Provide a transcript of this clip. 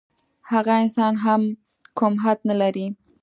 هغه انسان هم کوم حد نه لري.